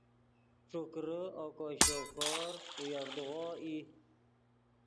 ݯوکرے اوگو شوکور اویڤدغو ای